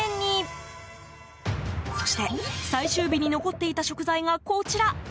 そして最終日に残っていた食材がこちら。